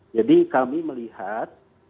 jadi kami melihat